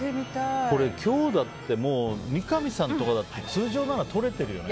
これ、今日だって三上さんとかだって通常なら取れてるよね。